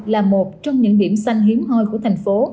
là một trong những điểm xanh hiếm hoi của thành phố